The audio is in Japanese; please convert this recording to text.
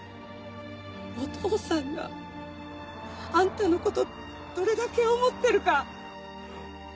お父さんがあんたのことどれだけ思ってるか。